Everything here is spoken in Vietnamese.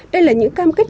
đây là những cam kết